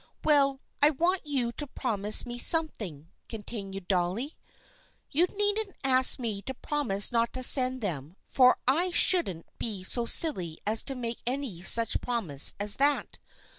" Well, I want you to promise me something," continued Dolly. " You needn't ask me to promise not to send them, for . I shouldn't be so silly as to make any such promise as that.